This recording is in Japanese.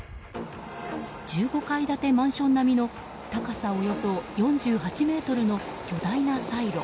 １５階建てマンション並みの高さおよそ４８ｍの巨大なサイロ。